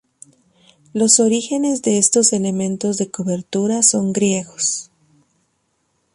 Los orígenes de estos elementos de cobertura son griegos.